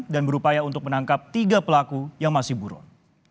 dan berupaya untuk menangkap tiga pelaku yang masih burun